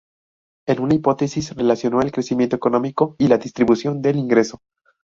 En una hipótesis relacionó el crecimiento económico y la distribución del ingreso.